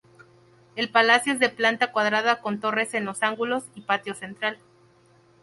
El palacio es de planta cuadrada con torres en los ángulos y patio central.